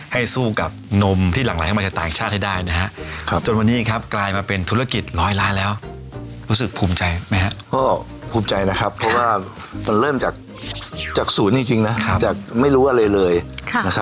คิดขึ้นมาโนมอร์แกนิคเพื่ออย่างช่วยเกษตรกรไทยให้สู้กับโนมที่หลั่งหลายมาจากต่างหญิงชาติให้ได้ค่ะ